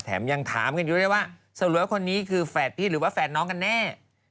ยังถามกันอยู่ด้วยว่าสรุปว่าคนนี้คือแฝดพี่หรือว่าแฝดน้องกันแน่